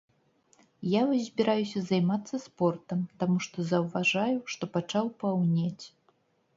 Я вось збіраюся займацца спортам, таму што заўважаю, што пачаў паўнець.